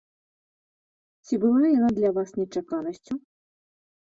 Ці была яна для вас нечаканасцю?